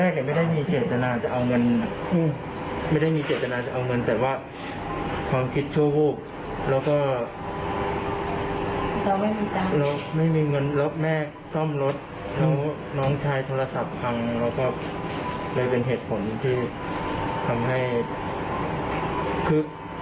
ความคิดที่จะเอาเนี่ยคิดก่อนแค่หนึ่งวันจะก่อเหตุ